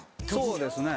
そうですね。